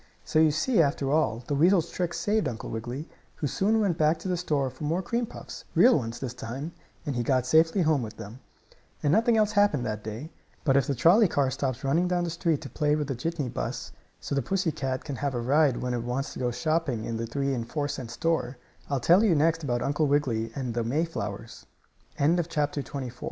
] So you see, after all, the weasel's trick saved Uncle Wiggily, who soon went back to the store for more cream puffs real ones this time, and he got safely home with them. And nothing else happened that day. But if the trolley car stops running down the street to play with the jitney bus, so the pussy cat can have a ride when it wants to go shopping in the three and four cent store, I'll tell